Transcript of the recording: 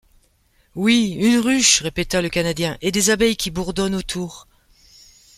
Oui ! une ruche, répéta le Canadien, et des abeilles qui bourdonnent autour.